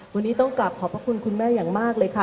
วันนี้ต้องกลับขอบพระคุณคุณแม่อย่างมากเลยค่ะ